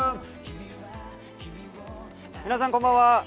皆さん、こんばんは。